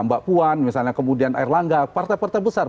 mbak puan kemudian air langga partai partai besar